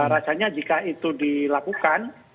rasanya jika itu dilakukan